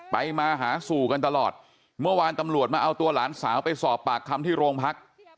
มาหาสู่กันตลอดเมื่อวานตำรวจมาเอาตัวหลานสาวไปสอบปากคำที่โรงพัก